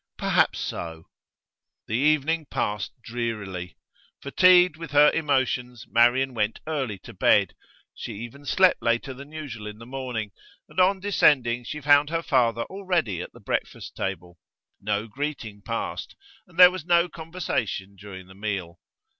'Perhaps so.' The evening passed drearily. Fatigued with her emotions, Marian went early to bed; she even slept later than usual in the morning, and on descending she found her father already at the breakfast table. No greeting passed, and there was no conversation during the meal.